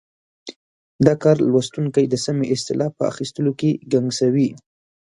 دا کار لوستونکی د سمې اصطلاح په اخیستلو کې ګنګسوي.